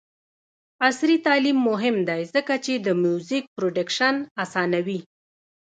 عصري تعلیم مهم دی ځکه چې د میوزیک پروډکشن اسانوي.